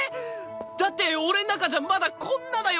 だって俺の中じゃまだこんなだよこんな！